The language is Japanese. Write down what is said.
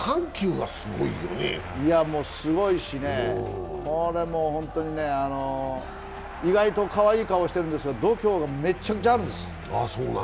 すごいしね、これ本当に意外とかわいい顔してるんですけど度胸がめちゃくちゃあるんです。